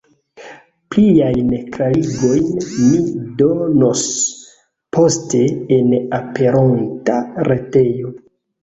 Pliajn klarigojn mi donos poste en aperonta retejo.